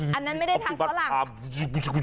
อันนั้นไม่ได้ทำฝรั่ง